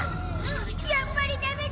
やっぱりダメだ。